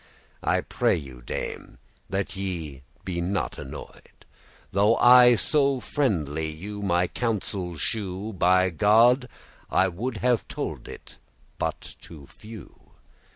*watch I pray you, Dame, that ye be not annoy'd, Though I so friendly you my counsel shew; By God, I would have told it but to few."